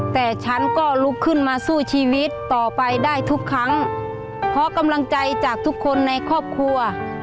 แต่ฉันก็ลุกขึ้นมาสู้ชีวิตต่อไปได้ทุกครั้งเพราะกำลังใจจากทุกคนในครอบครัว